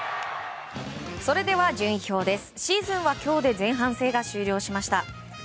それでは順位表です。